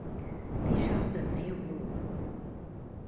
地上本沒有路